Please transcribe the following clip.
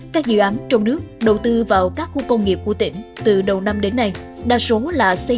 các dự án trong nước đầu tư vào các khu công nghiệp của tỉnh từ đầu năm đến nay đa số là xây